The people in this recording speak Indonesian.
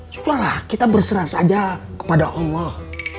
sudahlah kita berserah saja kepada allah